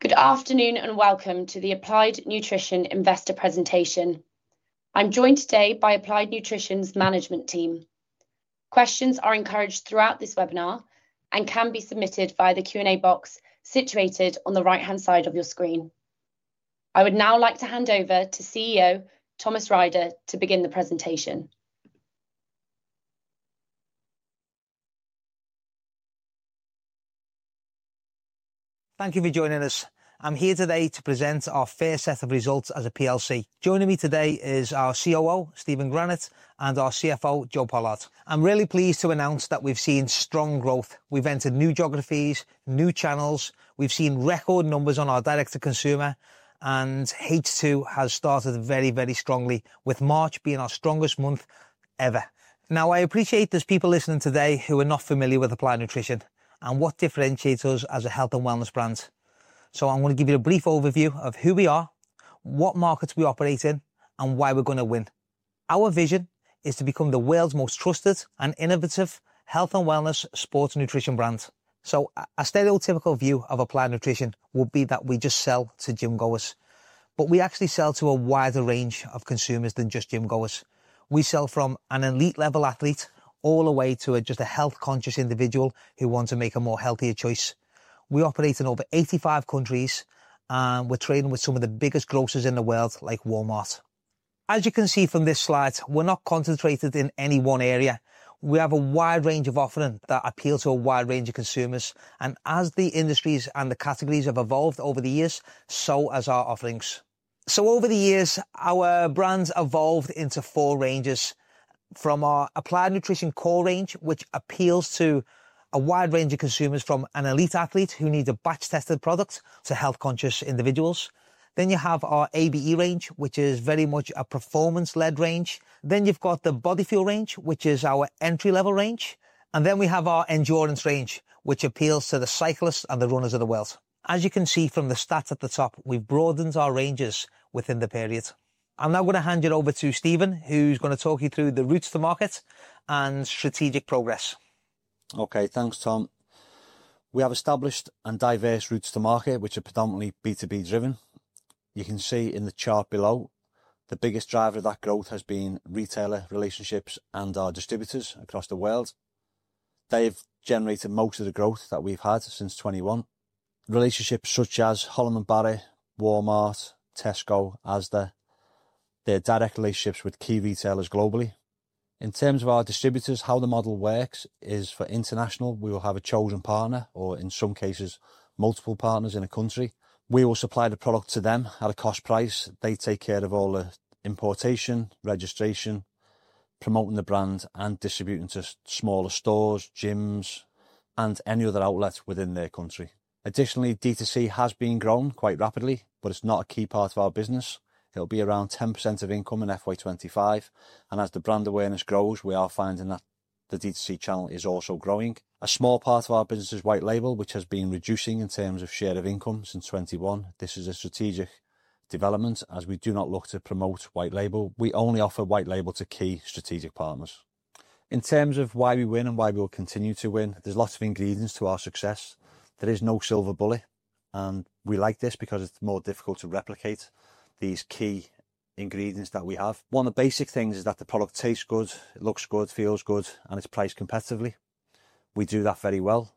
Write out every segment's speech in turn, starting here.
Good afternoon and welcome to the Applied Nutrition Investor presentation. I'm joined today by Applied Nutrition's management team. Questions are encouraged throughout this webinar and can be submitted via the Q&A box situated on the right-hand side of your screen. I would now like to hand over to CEO Thomas Ryder to begin the presentation. Thank you for joining us. I'm here today to present our fair set of results as a PLC. Joining me today is our COO, Steven Granite, and our CFO, Joe Pollard. I'm really pleased to announce that we've seen strong growth. We've entered new geographies, new channels. We've seen record numbers on our direct-to-consumer, and H2 has started very, very strongly, with March being our strongest month ever. Now, I appreciate there's people listening today who are not familiar with Applied Nutrition and what differentiates us as a health and wellness brand. I'm going to give you a brief overview of who we are, what markets we operate in, and why we're going to win. Our vision is to become the world's most trusted and innovative health and wellness sports nutrition brand. A stereotypical view of Applied Nutrition would be that we just sell to gym goers, but we actually sell to a wider range of consumers than just gym goers. We sell from an elite-level athlete all the way to just a health-conscious individual who wants to make a more healthier choice. We operate in over 85 countries, and we're trading with some of the biggest grocers in the world, like Walmart. As you can see from this slide, we're not concentrated in any one area. We have a wide range of offerings that appeal to a wide range of consumers, and as the industries and the categories have evolved over the years, so have our offerings. Over the years, our brand's evolved into four ranges: from our Applied Nutrition Core range, which appeals to a wide range of consumers, from an elite athlete who needs a batch-tested product to health-conscious individuals. You have our ABE range, which is very much a performance-led range. You have the Body Fuel range, which is our entry-level range. We have our Endurance range, which appeals to the cyclists and the runners of the world. As you can see from the stats at the top, we've broadened our ranges within the period. I'm now going to hand you over to Steven, who's going to talk you through the routes to market and strategic progress. Okay, thanks, Tom. We have established a diverse route to market, which is predominantly B2B-driven. You can see in the chart below, the biggest driver of that growth has been retailer relationships and our distributors across the world. They've generated most of the growth that we've had since 2021. Relationships such as Holland & Barrett, Walmart, Tesco, Asda—they're direct relationships with key retailers globally. In terms of our distributors, how the model works is, for international, we will have a chosen partner, or in some cases, multiple partners in a country. We will supply the product to them at a cost price. They take care of all the importation, registration, promoting the brand, and distributing to smaller stores, gyms, and any other outlets within their country. Additionally, D2C has been grown quite rapidly, but it's not a key part of our business. It'll be around 10% of income in FY2025. As the brand awareness grows, we are finding that the D2C channel is also growing. A small part of our business is white label, which has been reducing in terms of share of income since 2021. This is a strategic development, as we do not look to promote white label. We only offer white label to key strategic partners. In terms of why we win and why we will continue to win, there are lots of ingredients to our success. There is no silver bullet, and we like this because it is more difficult to replicate these key ingredients that we have. One of the basic things is that the product tastes good, looks good, feels good, and it is priced competitively. We do that very well.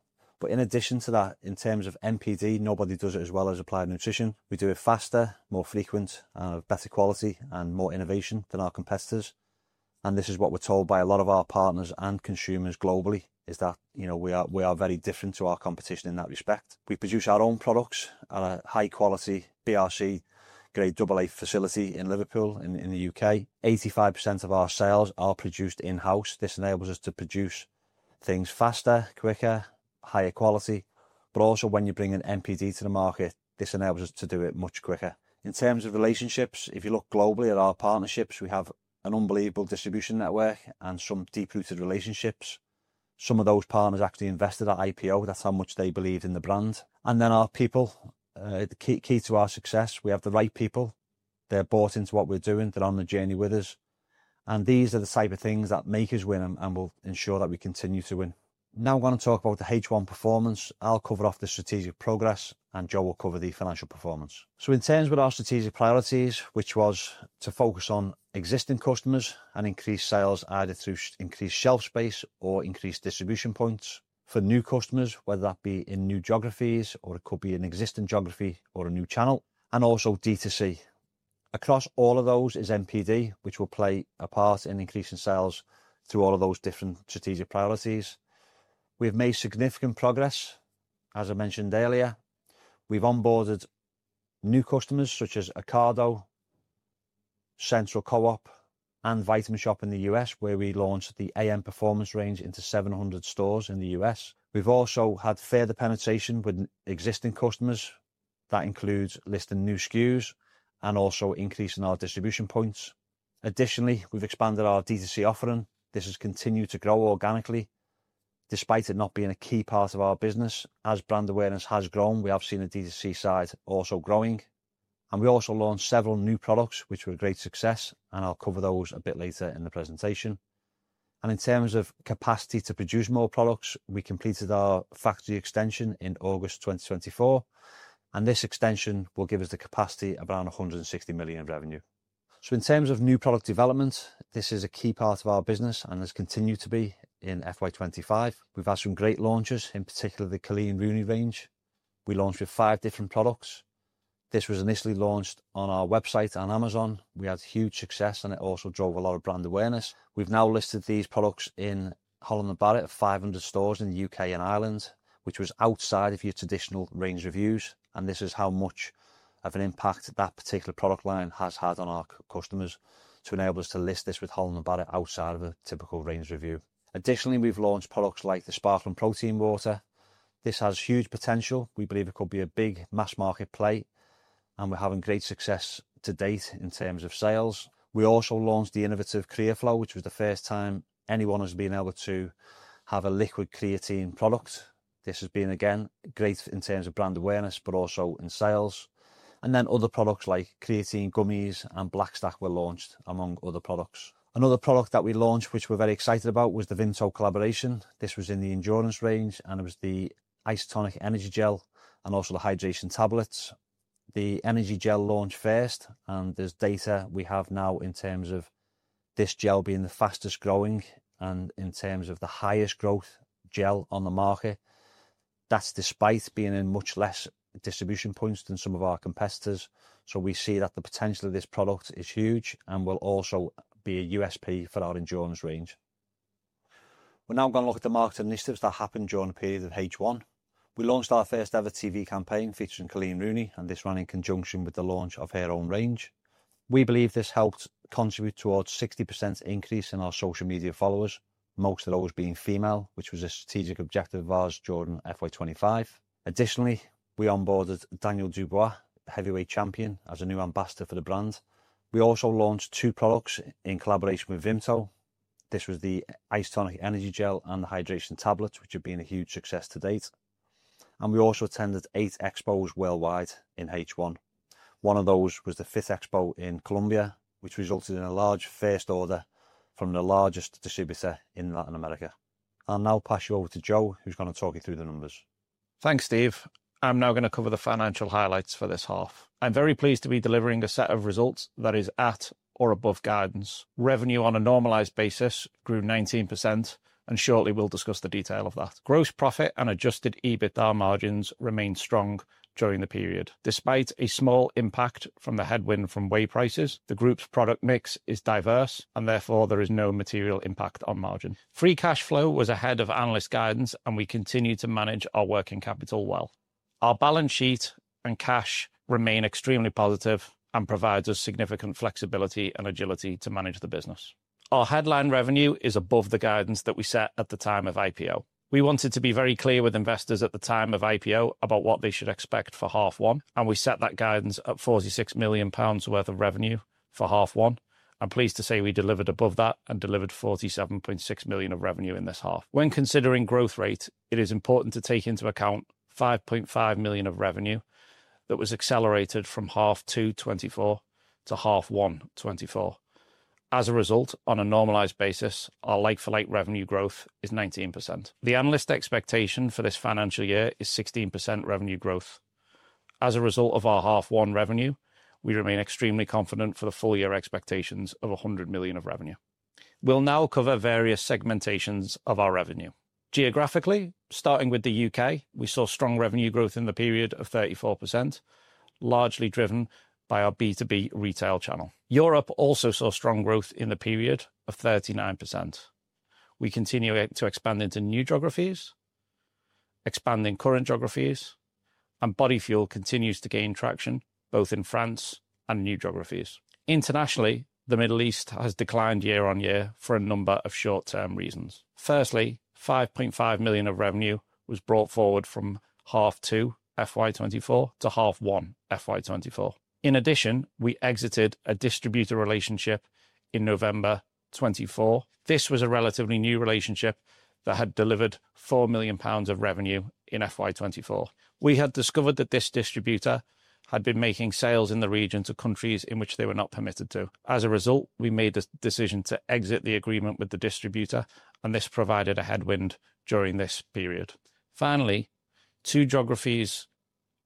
In addition to that, in terms of NPD, nobody does it as well as Applied Nutrition. We do it faster, more frequent, and of better quality and more innovation than our competitors. This is what we're told by a lot of our partners and consumers globally, is that we are very different to our competition in that respect. We produce our own products at a high-quality BRC Grade AA facility in Liverpool in the U.K. 85% of our sales are produced in-house. This enables us to produce things faster, quicker, higher quality. Also, when you bring an NPD to the market, this enables us to do it much quicker. In terms of relationships, if you look globally at our partnerships, we have an unbelievable distribution network and some deep-rooted relationships. Some of those partners actually invested in our IPO. That's how much they believed in the brand. Our people, key to our success. We have the right people. They're bought into what we're doing. They're on the journey with us. These are the type of things that make us win and will ensure that we continue to win. Now I'm going to talk about the H1 performance. I'll cover off the strategic progress, and Joe will cover the financial performance. In terms of our strategic priorities, which was to focus on existing customers and increase sales either through increased shelf space or increased distribution points for new customers, whether that be in new geographies or it could be an existing geography or a new channel, and also D2C. Across all of those is NPD, which will play a part in increasing sales through all of those different strategic priorities. We've made significant progress, as I mentioned earlier. We've onboarded new customers such as Ocado, Central Co-op, and The Vitamin Shoppe in the U.S., where we launched the ABE Performance range into 700 stores in the U.S.. We've also had further penetration with existing customers. That includes listing new SKUs and also increasing our distribution points. Additionally, we've expanded our D2C offering. This has continued to grow organically, despite it not being a key part of our business. As brand awareness has grown, we have seen the D2C side also growing. We also launched several new products, which were a great success, and I'll cover those a bit later in the presentation. In terms of capacity to produce more products, we completed our factory extension in August 2024, and this extension will give us the capacity of around 160 million in revenue. In terms of new product development, this is a key part of our business and has continued to be in FY2025. We've had some great launches, in particular the Coleen Rooney range. We launched with five different products. This was initially launched on our website on Amazon. We had huge success, and it also drove a lot of brand awareness. We've now listed these products in Holland & Barrett at 500 stores in the U.K. and Ireland, which was outside of your traditional range reviews. This is how much of an impact that particular product line has had on our customers to enable us to list this with Holland & Barrett outside of a typical range review. Additionally, we've launched products like the Sparkling Protein Water. This has huge potential. We believe it could be a big mass market play, and we're having great success to date in terms of sales. We also launched the innovative CreaFlow, which was the first time anyone has been able to have a liquid creatine product. This has been, again, great in terms of brand awareness, but also in sales. Other products like creatine gummies and Black Stak were launched, among other products. Another product that we launched, which we're very excited about, was the Vimto collaboration. This was in the Endurance range, and it was the Isotonic Energy Gel and also the Hydration Tablets. The Energy Gel launched first, and there's data we have now in terms of this gel being the fastest growing and in terms of the highest growth gel on the market. That's despite being in much less distribution points than some of our competitors. We see that the potential of this product is huge and will also be a USP for our Endurance range. We're now going to look at the market initiatives that happened during the period of H1. We launched our first-ever TV campaign featuring Coleen Rooney, and this ran in conjunction with the launch of her own range. We believe this helped contribute towards a 60% increase in our social media followers, most of those being female, which was a strategic objective of ours during FY2025. Additionally, we onboarded Daniel Dubois, Heavyweight Champion, as a new ambassador for the brand. We also launched two products in collaboration with Vimto. This was the Isotonic Energy Gel and the Hydration Tablets, which have been a huge success to date. We also attended eight expos worldwide in H1. One of those was the fifth expo in Colombia, which resulted in a large first order from the largest distributor in Latin America. I'll now pass you over to Joe, who's going to talk you through the numbers. Thanks, Steve. I'm now going to cover the financial highlights for this half. I'm very pleased to be delivering a set of results that is at or above guidance. Revenue on a normalized basis grew 19%, and shortly we'll discuss the detail of that. Gross profit and adjusted EBITDA margins remained strong during the period. Despite a small impact from the headwind from whey prices, the group's product mix is diverse, and therefore there is no material impact on margin. Free cash flow was ahead of analyst guidance, and we continue to manage our working capital well. Our balance sheet and cash remain extremely positive and provide us significant flexibility and agility to manage the business. Our headline revenue is above the guidance that we set at the time of IPO. We wanted to be very clear with investors at the time of IPO about what they should expect for half one, and we set that guidance at 46 million pounds worth of revenue for half one. I'm pleased to say we delivered above that and delivered 47.6 million of revenue in this half. When considering growth rate, it is important to take into account 5.5 million of revenue that was accelerated from half two 2024 to half one 2024. As a result, on a normalized basis, our like-for-like revenue growth is 19%. The analyst expectation for this financial year is 16% revenue growth. As a result of our half one revenue, we remain extremely confident for the full year expectations of 100 million of revenue. We'll now cover various segmentations of our revenue. Geographically, starting with the U.K., we saw strong revenue growth in the period of 34%, largely driven by our B2B retail channel. Europe also saw strong growth in the period of 39%. We continue to expand into new geographies, expanding current geographies, and Body Fuel continues to gain traction both in France and new geographies. Internationally, the Middle East has declined year-on-year for a number of short-term reasons. Firstly, 5.5 million of revenue was brought forward from half two FY2024 to half one FY2024. In addition, we exited a distributor relationship in November 2024. This was a relatively new relationship that had delivered 4 million pounds of revenue in FY2024. We had discovered that this distributor had been making sales in the region to countries in which they were not permitted to. As a result, we made the decision to exit the agreement with the distributor, and this provided a headwind during this period. Finally, two geographies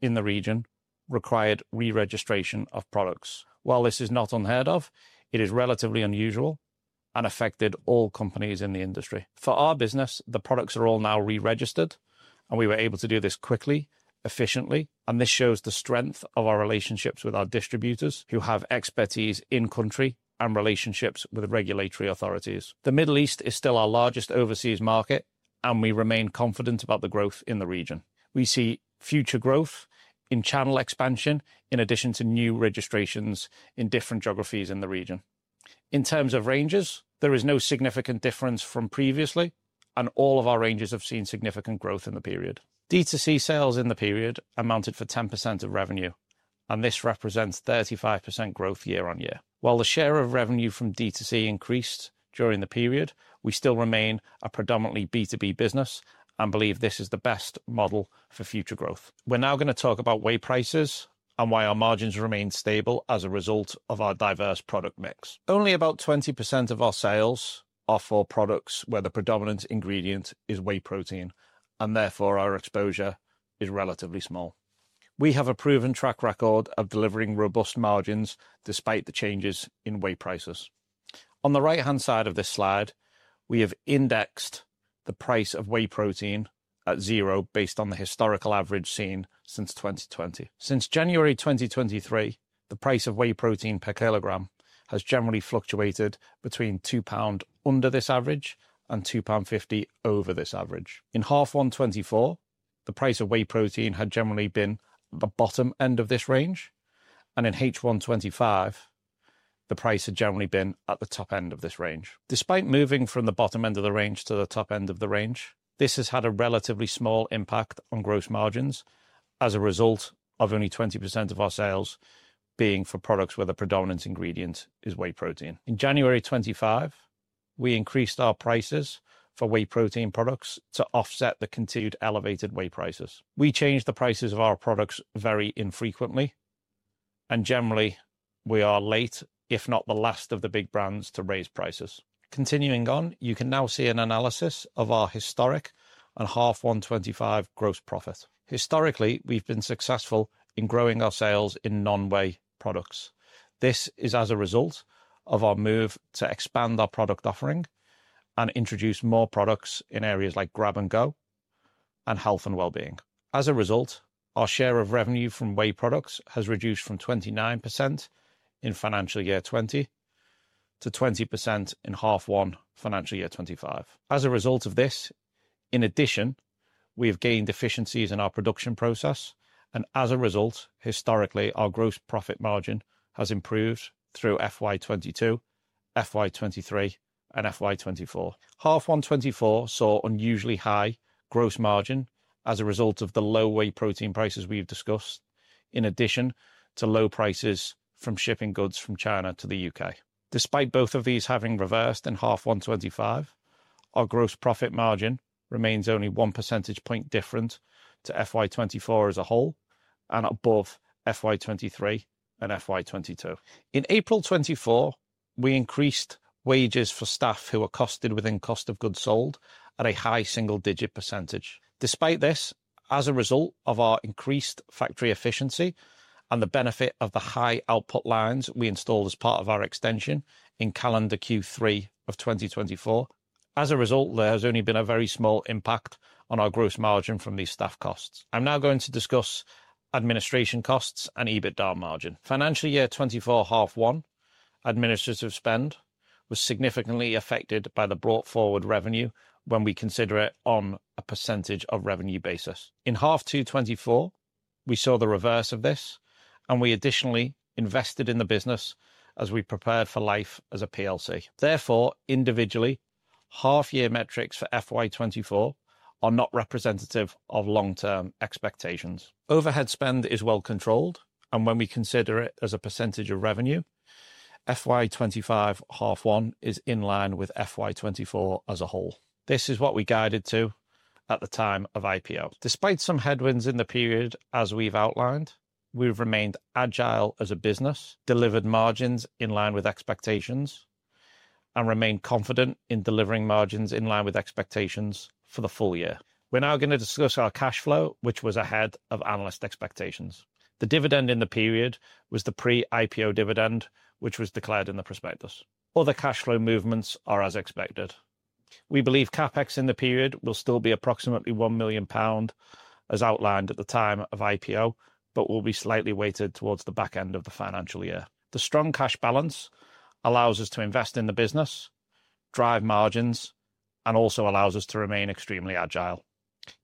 in the region required re-registration of products. While this is not unheard of, it is relatively unusual and affected all companies in the industry. For our business, the products are all now re-registered, and we were able to do this quickly and efficiently, and this shows the strength of our relationships with our distributors who have expertise in-country and relationships with regulatory authorities. The Middle East is still our largest overseas market, and we remain confident about the growth in the region. We see future growth in channel expansion in addition to new registrations in different geographies in the region. In terms of ranges, there is no significant difference from previously, and all of our ranges have seen significant growth in the period. D2C sales in the period amounted to 10% of revenue, and this represents 35% growth year-on-year. While the share of revenue from D2C increased during the period, we still remain a predominantly B2B business and believe this is the best model for future growth. We're now going to talk about whey prices and why our margins remain stable as a result of our diverse product mix. Only about 20% of our sales are for products where the predominant ingredient is whey protein, and therefore our exposure is relatively small. We have a proven track record of delivering robust margins despite the changes in whey prices. On the right-hand side of this slide, we have indexed the price of whey protein at zero based on the historical average seen since 2020. Since January 2023, the price of whey protein per kilogram has generally fluctuated between 2 pound under this average and 2.50 pound over this average. In half one 2024, the price of whey protein had generally been at the bottom end of this range, and in H1 2025, the price had generally been at the top end of this range. Despite moving from the bottom end of the range to the top end of the range, this has had a relatively small impact on gross margins as a result of only 20% of our sales being for products where the predominant ingredient is whey protein. In January 2025, we increased our prices for whey protein products to offset the continued elevated whey prices. We changed the prices of our products very infrequently, and generally, we are late, if not the last of the big brands, to raise prices. Continuing on, you can now see an analysis of our historic and half one 2025 gross profit. Historically, we've been successful in growing our sales in non-whey products. This is as a result of our move to expand our product offering and introduce more products in areas like grab-and-go and health and well-being. As a result, our share of revenue from whey products has reduced from 29% in financial year 2020 to 20% in half one financial year 2025. As a result of this, in addition, we have gained efficiencies in our production process, and as a result, historically, our gross profit margin has improved through financial year 2022, financial year 2023, and financial year 2024. Half one 2024 saw unusually high gross margin as a result of the low whey protein prices we've discussed, in addition to low prices from shipping goods from China to the U.K. Despite both of these having reversed in half one 2025, our gross profit margin remains only one percentage point different to FY 2024 as a whole and above FY 2023 and FY 2022. In April 2024, we increased wages for staff who were costed within cost of goods sold at a high single-digit percentage. Despite this, as a result of our increased factory efficiency and the benefit of the high output lines we installed as part of our extension in calendar Q3 of 2024, as a result, there has only been a very small impact on our gross margin from these staff costs. I'm now going to discuss administration costs and EBITDA margin. Financial year 2024 half one, administrative spend was significantly affected by the brought forward revenue when we consider it on a percentage of revenue basis. In half two 2024, we saw the reverse of this, and we additionally invested in the business as we prepared for life as a PLC. Therefore, individually, half-year metrics for FY 2024 are not representative of long-term expectations. Overhead spend is well controlled, and when we consider it as a percentage of revenue, FY 2025 half one is in line with FY 2024 as a whole. This is what we guided to at the time of IPO. Despite some headwinds in the period, as we've outlined, we've remained agile as a business, delivered margins in line with expectations, and remained confident in delivering margins in line with expectations for the full year. We're now going to discuss our cash flow, which was ahead of analyst expectations. The dividend in the period was the pre-IPO dividend, which was declared in the prospectus. Other cash flow movements are as expected. We believe CapEx in the period will still be approximately 1 million pound as outlined at the time of IPO, but will be slightly weighted towards the back end of the financial year. The strong cash balance allows us to invest in the business, drive margins, and also allows us to remain extremely agile.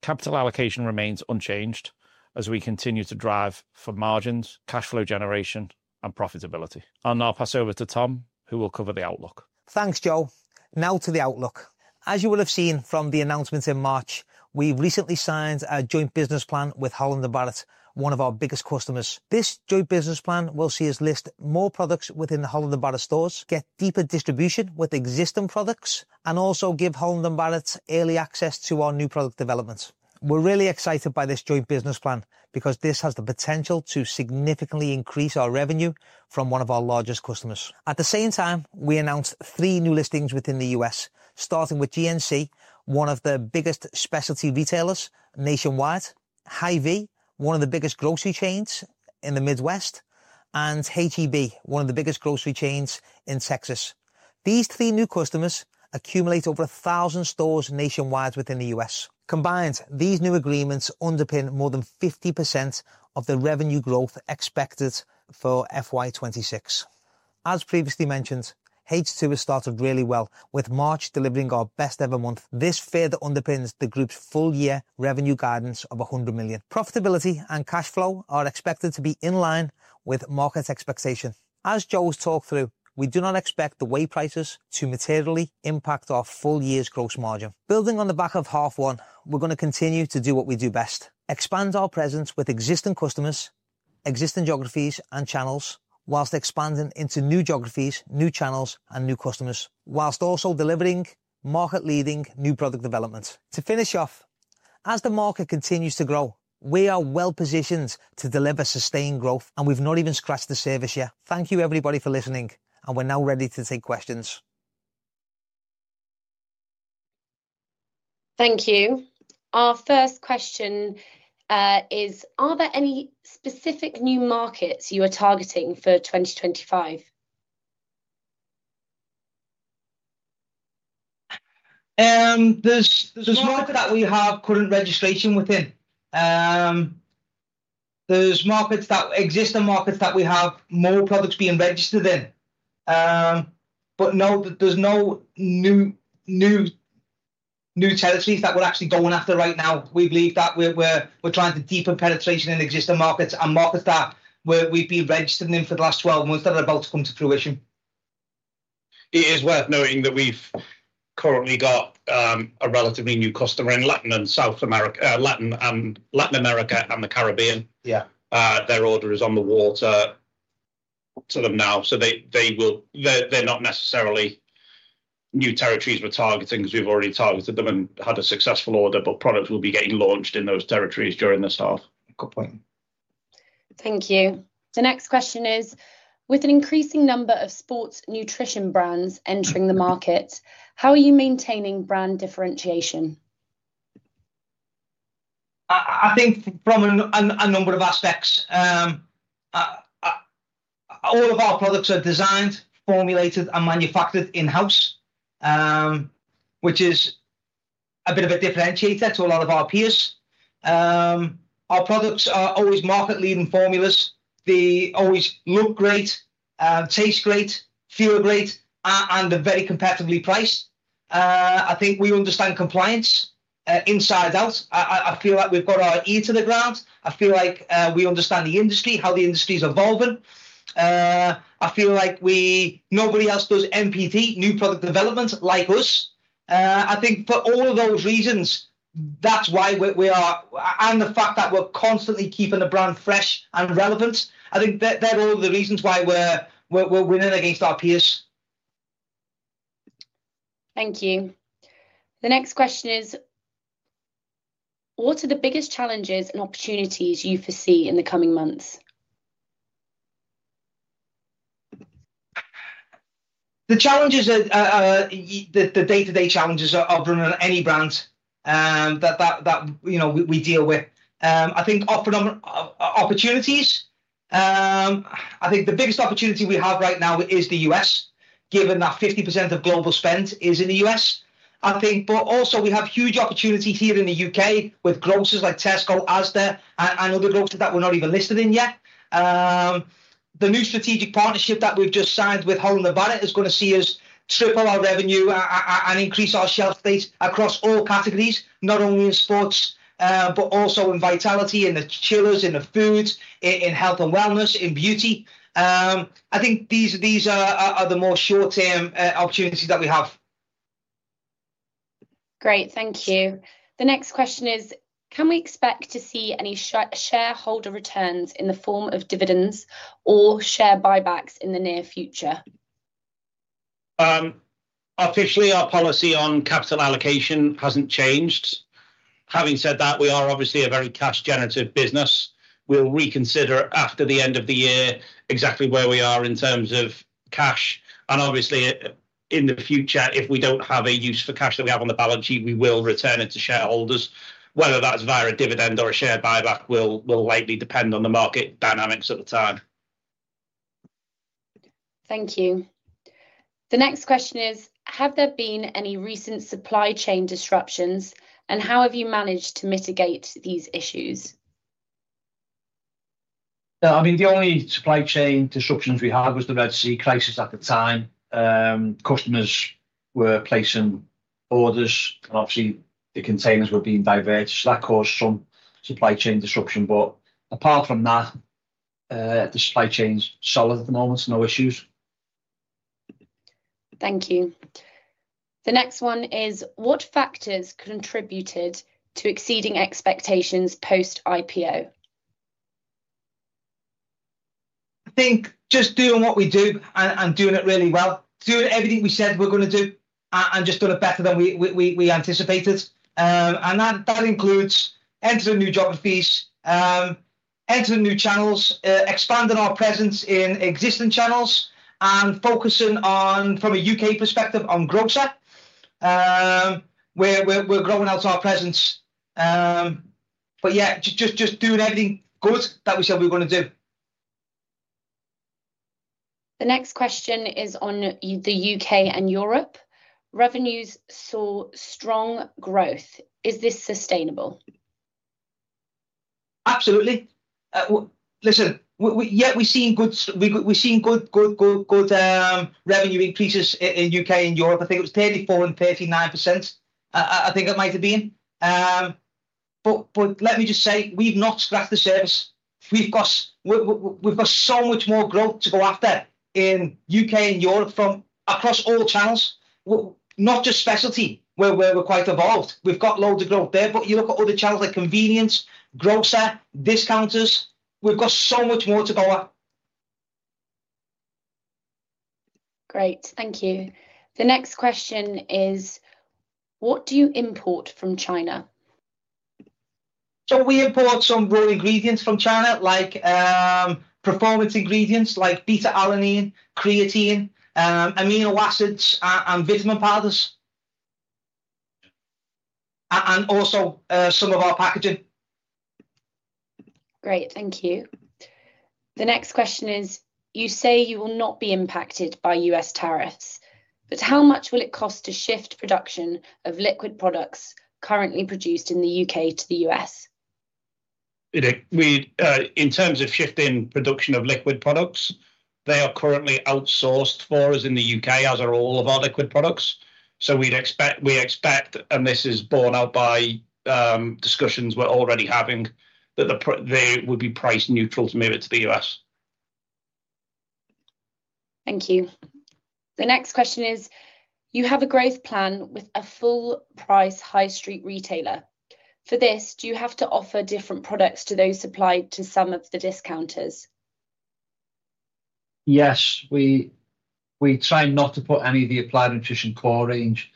Capital allocation remains unchanged as we continue to drive for margins, cash flow generation, and profitability. I'll now pass over to Tom, who will cover the outlook. Thanks, Joe. Now to the outlook. As you will have seen from the announcements in March, we've recently signed a joint business plan with Holland & Barrett, one of our biggest customers. This joint business plan will see us list more products within the Holland & Barrett stores, get deeper distribution with existing products, and also give Holland & Barrett early access to our new product developments. We're really excited by this joint business plan because this has the potential to significantly increase our revenue from one of our largest customers. At the same time, we announced three new listings within the U.S., starting with GNC, one of the biggest specialty retailers nationwide, Hy-Vee, one of the biggest grocery chains in the Midwest, and H-E-B, one of the biggest grocery chains in Texas. These three new customers accumulate over 1,000 stores nationwide within the U.S.. Combined, these new agreements underpin more than 50% of the revenue growth expected for FY 2026. As previously mentioned, H2 has started really well, with March delivering our best-ever month. This further underpins the group's full-year revenue guidance of 100 million. Profitability and cash flow are expected to be in line with market expectations. As Joe has talked through, we do not expect the whey prices to materially impact our full year's gross margin. Building on the back of half one, we're going to continue to do what we do best: expand our presence with existing customers, existing geographies, and channels, whilst expanding into new geographies, new channels, and new customers, whilst also delivering market-leading new product developments. To finish off, as the market continues to grow, we are well positioned to deliver sustained growth, and we've not even scratched the surface yet. Thank you, everybody, for listening, and we're now ready to take questions. Thank you. Our first question is, are there any specific new markets you are targeting for 2025? are markets that we have current registration within. There are markets that exist and markets that we have more products being registered in. No, there are no new territories that we are actually going after right now. We believe that we are trying to deepen penetration in existing markets and markets that we have been registering in for the last 12 months that are about to come to fruition. It is worth noting that we've currently got a relatively new customer in Latin America and the Caribbean. Yeah, their order is on the water to them now. They are not necessarily new territories we're targeting because we've already targeted them and had a successful order, but products will be getting launched in those territories during this half. Thank you. The next question is, with an increasing number of sports nutrition brands entering the market, how are you maintaining brand differentiation? I think from a number of aspects. All of our products are designed, formulated, and manufactured in-house, which is a bit of a differentiator to a lot of our peers. Our products are always market-leading formulas. They always look great, taste great, feel great, and are very competitively priced. I think we understand compliance inside out. I feel like we've got our ear to the ground. I feel like we understand the industry, how the industry is evolving. I feel like nobody else does NPD, new product development, like us. I think for all of those reasons, that's why we are, and the fact that we're constantly keeping the brand fresh and relevant. I think that's all the reasons why we're winning against our peers. Thank you. The next question is, what are the biggest challenges and opportunities you foresee in the coming months? The challenges, the day-to-day challenges are bringing any brand that we deal with. I think often opportunities. I think the biggest opportunity we have right now is the U.S., given that 50% of global spend is in the U.S., I think. Also, we have huge opportunities here in the U.K. with grocers like Tesco, Asda, and other grocers that we're not even listed in yet. The new strategic partnership that we've just signed with Holland & Barrett is going to see us triple our revenue and increase our shelf space across all categories, not only in sports, but also in vitality, in the chillers, in the foods, in health and wellness, in beauty. I think these are the more short-term opportunities that we have. Great. Thank you. The next question is, can we expect to see any shareholder returns in the form of dividends or share buybacks in the near future? Officially, our policy on capital allocation hasn't changed. Having said that, we are obviously a very cash-generative business. We'll reconsider after the end of the year exactly where we are in terms of cash. Obviously, in the future, if we don't have a use for cash that we have on the balance sheet, we will return it to shareholders. Whether that's via a dividend or a share buyback will likely depend on the market dynamics at the time. Thank you. The next question is, have there been any recent supply chain disruptions, and how have you managed to mitigate these issues? I mean, the only supply chain disruptions we had was the Red Sea crisis at the time. Customers were placing orders, and obviously, the containers were being diverged. That caused some supply chain disruption. Apart from that, the supply chain's solid at the moment. No issues. Thank you. The next one is, what factors contributed to exceeding expectations post-IPO? I think just doing what we do and doing it really well, doing everything we said we're going to do and just doing it better than we anticipated. That includes entering new geographies, entering new channels, expanding our presence in existing channels, and focusing on, from a U.K. perspective, on grocer. We're growing out our presence. Yeah, just doing everything good that we said we were going to do. The next question is on the U.K. and Europe. Revenues saw strong growth. Is this sustainable? Absolutely. Listen, yeah, we're seeing good revenue increases in the U.K. and Europe. I think it was 34% and 39%. I think it might have been. Let me just say, we've not scratched the surface. We've got so much more growth to go after in the U.K. and Europe from across all channels, not just specialty, where we're quite evolved. We've got loads of growth there. You look at other channels like convenience, grocer, discounters. We've got so much more to go up. Great. Thank you. The next question is, what do you import from China? We import some raw ingredients from China, like performance ingredients like beta-alanine, creatine, amino acids, and vitamin powders, and also some of our packaging. Great. Thank you. The next question is, you say you will not be impacted by U.S. tariffs. How much will it cost to shift production of liquid products currently produced in the U.K. to the U.S.? In terms of shifting production of liquid products, they are currently outsourced for us in the U.K., as are all of our liquid products. We expect, and this is borne out by discussions we're already having, that they would be price neutral to move it to the U.S. Thank you. The next question is, you have a growth plan with a full-price high-street retailer. For this, do you have to offer different products to those supplied to some of the discounters? Yes. We try not to put any of the Applied Nutrition Core range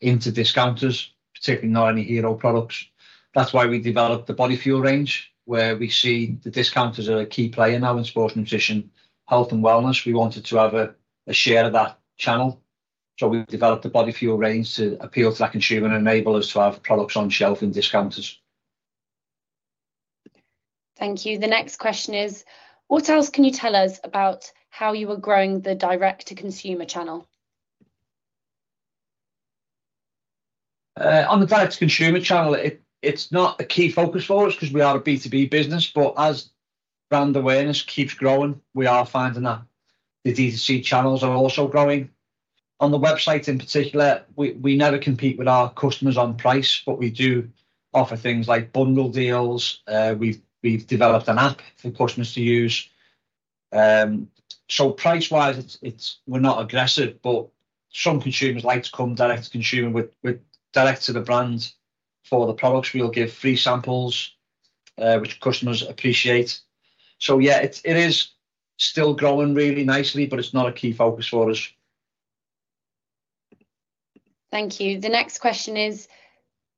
into discounters, particularly not any hero products. That's why we developed the Body Fuel range, where we see the discounters are a key player now in sports nutrition, health, and wellness. We wanted to have a share of that channel. We have developed the Body Fuel range to appeal to that consumer and enable us to have products on shelf in discounters. Thank you. The next question is, what else can you tell us about how you are growing the direct-to-consumer channel? On the direct-to-consumer channel, it's not a key focus for us because we are a B2B business. As brand awareness keeps growing, we are finding that the D2C channels are also growing. On the website in particular, we never compete with our customers on price, but we do offer things like bundle deals. We've developed an app for customers to use. Price-wise, we're not aggressive, but some consumers like to come direct-to-consumer with direct-to-the-brand for the products. We'll give free samples, which customers appreciate. Yeah, it is still growing really nicely, but it's not a key focus for us. Thank you. The next question is,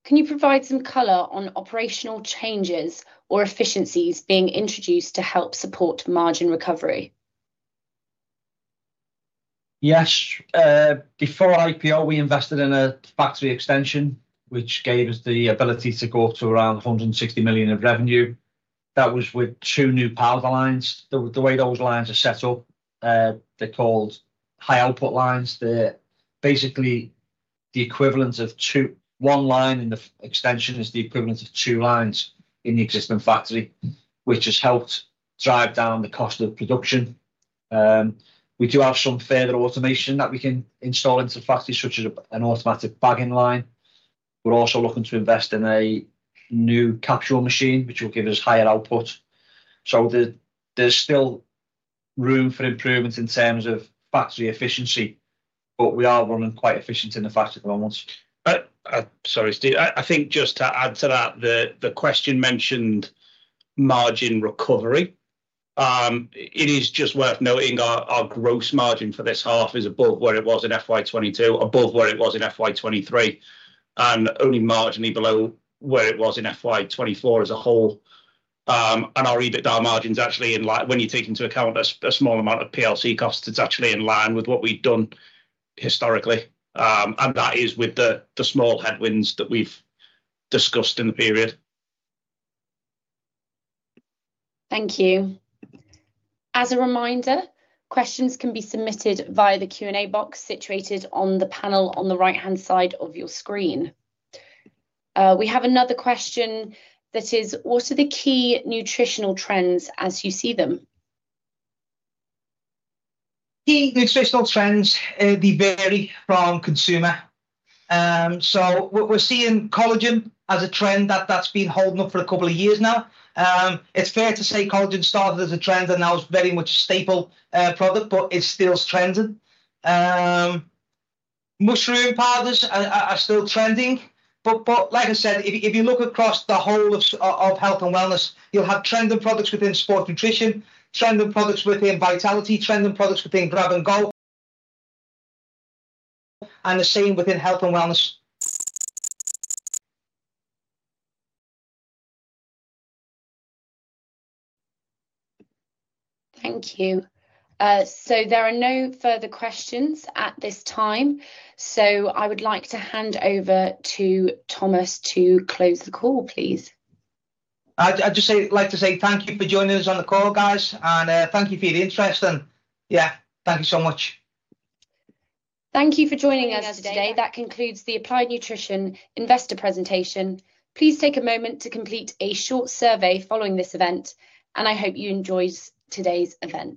can you provide some color on operational changes or efficiencies being introduced to help support margin recovery? Yes. Before IPO, we invested in a factory extension, which gave us the ability to go to around 160 million in revenue. That was with two new powder lines. The way those lines are set up, they're called high-output lines. They're basically the equivalent of one line in the extension is the equivalent of two lines in the existing factory, which has helped drive down the cost of production. We do have some further automation that we can install into the factory, such as an automatic bagging line. We're also looking to invest in a new capsule machine, which will give us higher output. There is still room for improvement in terms of factory efficiency, but we are running quite efficient in the factory at the moment. Sorry, Steve. I think just to add to that, the question mentioned margin recovery. It is just worth noting our gross margin for this half is above where it was in FY 2022, above where it was in FY 2023, and only marginally below where it was in FY 2024 as a whole. Our EBITDA margin's actually in line. When you take into account a small amount of PLC costs, it's actually in line with what we've done historically. That is with the small headwinds that we've discussed in the period. Thank you. As a reminder, questions can be submitted via the Q&A box situated on the panel on the right-hand side of your screen. We have another question that is, what are the key nutritional trends as you see them? Key nutritional trends vary from consumer. We're seeing collagen as a trend that's been holding up for a couple of years now. It's fair to say collagen started as a trend and now is very much a staple product, but it's still trending. Mushroom powders are still trending. Like I said, if you look across the whole of health and wellness, you'll have trending products within sports nutrition, trending products within vitality, trending products within grab and go, and the same within health and wellness. Thank you. There are no further questions at this time. I would like to hand over to Thomas to close the call, please. I'd just like to say thank you for joining us on the call, guys. Thank you for your interest. Yeah, thank you so much. Thank you for joining us today. That concludes the Applied Nutrition Investor Presentation. Please take a moment to complete a short survey following this event. I hope you enjoyed today's event.